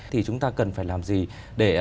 thì chúng ta cần phải làm gì để